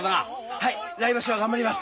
はい来場所は頑張ります！